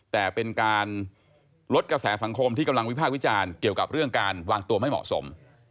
แต่เป็นการลดกระแสสังคมที่กำลังวิภาควิจารณ์เกี่ยวกับเรื่องการวางตัวไม่เหมาะสม